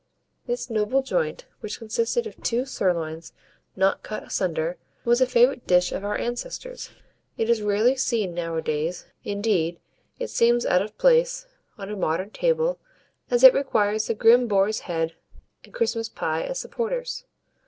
This noble joint, which consisted of two sirloins not cut asunder, was a favourite dish of our ancestors. It is rarely seen nowadays; indeed, it seems out of place on a modern table, as it requires the grim boar's head and Christmas pie as supporters.